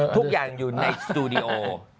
ทุกอย่างอยู่ในสตูดิโอ